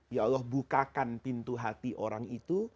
ya allah bukakan pintu hati orang itu